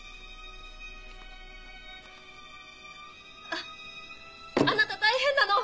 あっあなた大変なの！